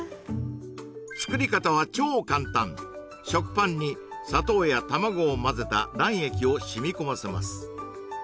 作り方は超簡単食パンに砂糖や卵を混ぜた卵液を染み込ませます